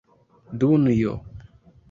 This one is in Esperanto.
Dunjo!